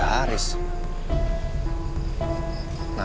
tanti ga boleh aaah